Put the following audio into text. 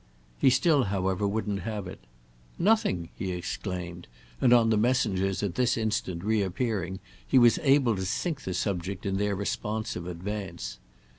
He still, however, wouldn't have it. "Nothing!" he exclaimed, and on the messenger's at this instant reappearing he was able to sink the subject in their responsive advance.